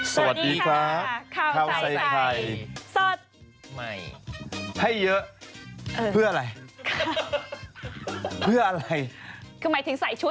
สวัสดีครับข้าวใส่ไข่สดใหม่ให้เยอะเพื่ออะไรเพื่ออะไรคือหมายถึงใส่ชุด